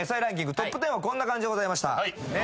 ＴＯＰ１０はこんな感じでございました